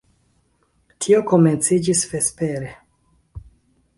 Tio komenciĝis vespere.